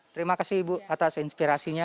terima kasih ibu atas inspirasinya